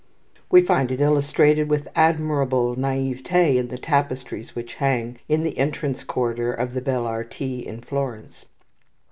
We find it illustrated with admirable naivete in the tapestries which hang in the entrance corridor of the Belle Arti in Florence.